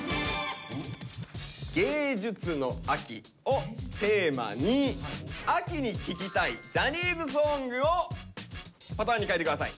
「芸術の秋」をテーマに秋に聴きたいジャニーズソングを答えに書いて下さい。